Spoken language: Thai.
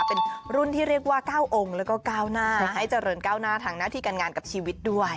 เป็นรุ่นที่เรียกว่า๙องค์แล้วก็ก้าวหน้าให้เจริญก้าวหน้าทางหน้าที่การงานกับชีวิตด้วย